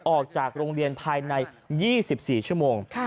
ออกจากโรงเรียนภายใน๒๔ชั่วโมง